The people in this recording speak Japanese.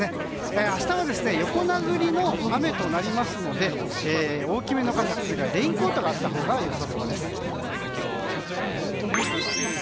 明日は横殴りの雨となりますので大きめの傘、レインコートがあったほうが良さそうです。